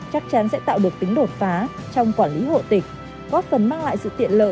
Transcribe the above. chắc chắn sẽ tạo được tính đột phá trong quản lý hộ tịch góp phần mang lại sự tiện lợi